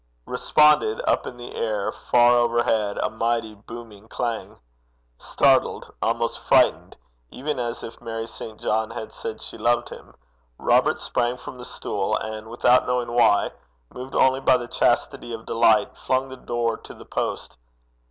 Responded, up in the air, far overhead, a mighty booming clang. Startled, almost frightened, even as if Mary St. John had said she loved him, Robert sprung from the stool, and, without knowing why, moved only by the chastity of delight, flung the door to the post.